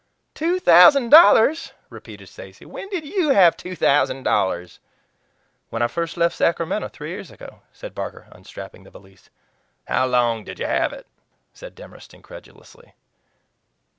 "TWO THOUSAND DOLLARS!" repeated Stacy. "When did YOU have two thousand dollars?" "When I first left Sacramento three years ago," said Barker, unstrapping the valise. "How long did you have it?" said Demorest incredulously.